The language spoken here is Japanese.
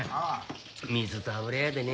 水と油やでね